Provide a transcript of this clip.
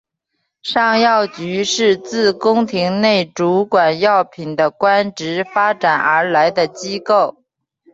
尚药局是自宫廷内主管药品的官职发展而来的机构。